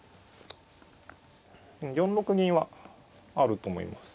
４六銀はあると思います。